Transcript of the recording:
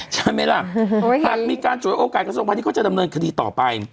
ใช่ไหมล่ะถ้ามีการจุดโอกาสกระทรวงภัณฑ์นี้ก็จะดำเนินคดีต่อไป